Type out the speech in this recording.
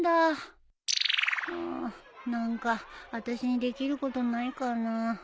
何か私にできることないかな。